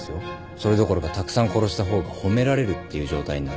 それどころかたくさん殺した方が褒められるっていう状態になる。